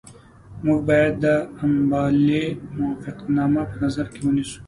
موږ باید د امبالې موافقتنامه په نظر کې ونیسو.